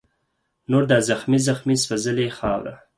نور دا زخمې زخمي سوځلې خاوره